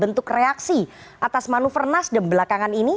bentuk reaksi atas manuver nasdem belakangan ini